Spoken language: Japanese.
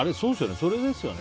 それですよね？